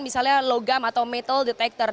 misalnya logam atau metal detector